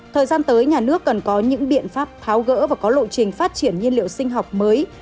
thời gian tới nhà nước cần có những biện pháp tháo gỡ và có lộ trình phát triển nhiên liệu sinh học mới